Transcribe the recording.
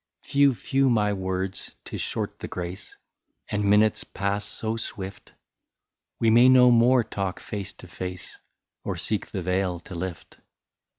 " Few, few, my words — 't is short the grace And minutes pass so swift ; We may no more talk face to face, Or seek the veil to lift.